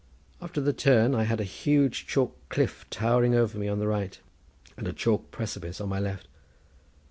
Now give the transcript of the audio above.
After the turn, I had a huge chalk cliff towering over me on the right, and a chalk precipice on my left.